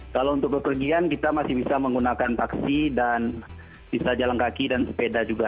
kalau untuk bepergian kita masih bisa menggunakan taksi dan bisa jalan kaki dan sepeda juga